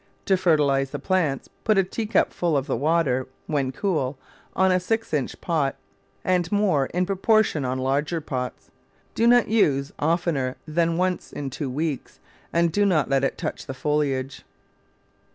To fertilise the plants put a teacupful of the water, when cool, on a six inch pot, and more in proportion on larger pots. Do not use oftener than once in two weeks, and do not let it touch the foliage.